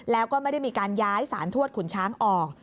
แล้วก็ไม่ได้มีการย้ายสารทวดขุนช้างออก